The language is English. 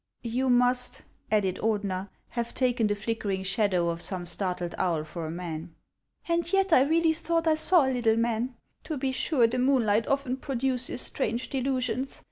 "You must," added Ordener, "have taken the flickering shadow of some startled owl for a man." " And yet I really thought I saw a little man ; to be sure, th*1 moonlight often produces strange delusions.